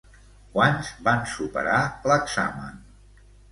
Quants van superar l'examen?